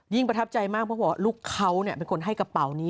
ยิ่งประทับใจมากลูกเค้ามันเป็นคนให้กระเป๋านี้